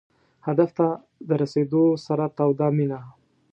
هدف ته د رسېدو سره توده مینه.